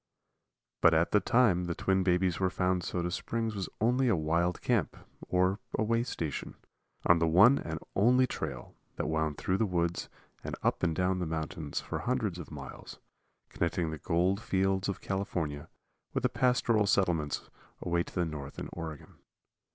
But at the time the twin babies were found Soda Springs was only a wild camp, or way station, on the one and only trail that wound through the woods and up and down mountains for hundreds of miles, connecting the gold fields of California with the pastoral settlements away to the north in Oregon.